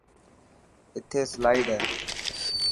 اٿي سلائڊ هي .